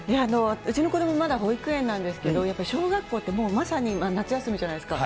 うちの子ども、まだ保育園なんですけど、やっぱり小学校って、まさに夏休みじゃないですか。